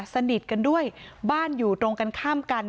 สนิทกันด้วยบ้านอยู่ตรงกันข้ามกัน